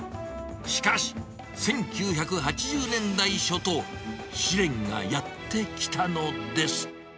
しかし、１９８０年代初頭、試練がやって来たのです。